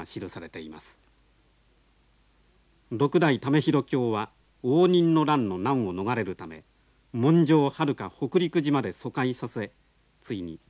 ６代為廣卿は応仁の乱の難を逃れるため文書をはるか北陸路まで疎開させついに石川県で客死しています。